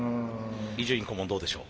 伊集院顧問どうでしょう？